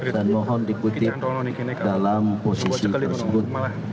dan mohon dikutip dalam posisi tersebut